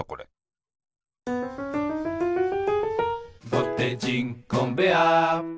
「ぼてじんコンベアー」